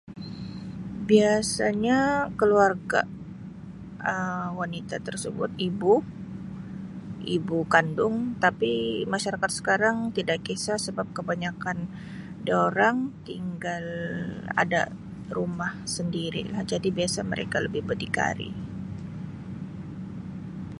Biasanya keluarga Um wanita tersebut ibu-ibu kandung tapi masyarakat sekarang tidak kisah sebab kebanyakkan diorang tinggal ada rumah sendiri lah. Jadi biasa mereka lebih berdikari.